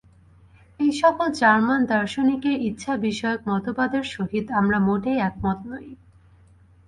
এই-সকল জার্মান দার্শনিকের ইচ্ছা-বিষয়ক মতবাদের সহিত আমরা মোটেই একমত নই।